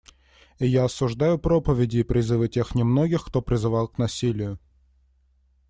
И я осуждаю проповеди и призывы тех немногих, кто призвал к насилию.